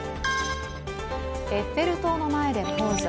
エッフェル塔の前でポーズ。